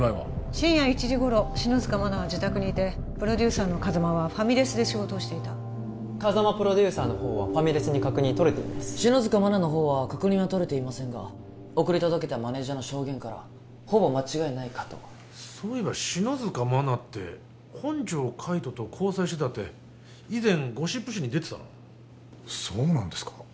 深夜１時頃篠塚真菜は自宅にいてプロデューサーの風間はファミレスで仕事をしていた風間プロデューサーのほうはファミレスに確認とれています篠塚真菜のほうは確認はとれていませんが送り届けたマネージャーの証言からほぼ間違いないかとそういえば篠塚真菜って本条海斗と交際してたって以前ゴシップ誌に出てたなそうなんですか？